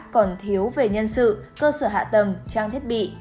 còn thiếu về nhân sự cơ sở hạ tầng trang thiết bị